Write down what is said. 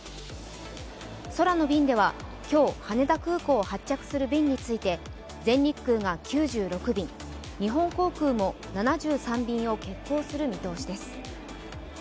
空の便では今日、羽田空港を発着する便について全日空が９６便、日本航空も７３便を欠航する見通しです。